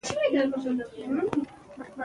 ملا پر کټ باندې پروت دی.